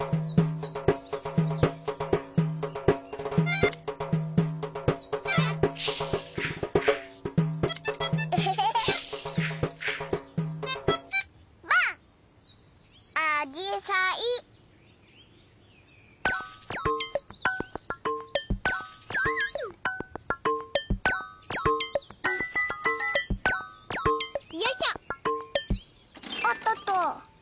おっとっと。